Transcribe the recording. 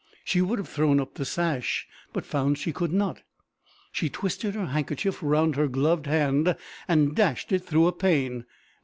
She would have thrown up the sash, but found she could not. She twisted her handkerchief round her gloved hand, and dashed it through a pane.